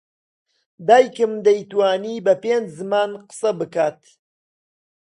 دایکم دەیتوانی بە پێنج زمان قسە بکات.